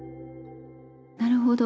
なるほど。